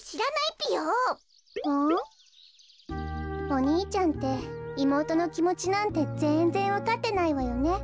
お兄ちゃんっていもうとのきもちなんてぜんぜんわかってないわよね。